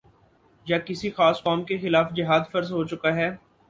یا کسی خاص قوم کے خلاف جہاد فرض ہو چکا ہے